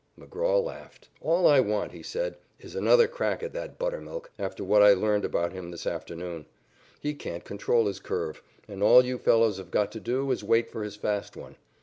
McGraw laughed. "All I want," he said, "is another crack at that Buttermilk after what I learned about him this afternoon. He can't control his curve, and all you fellows have got to do is wait for his fast one.